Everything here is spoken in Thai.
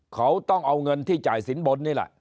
เขาต้องเอาเงินที่จ่ายสินบนนี่แหละ